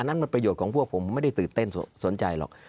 นั้นมันประโยชน์ของพวกผมไม่ได้ตื่นเต้นสนใจหรอก